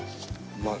うまい。